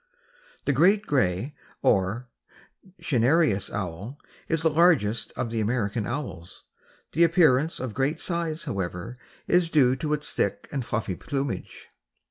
The Great Gray or Cinereous Owl is the largest of the American owls. The appearance of great size, however, is due to its thick and fluffy plumage.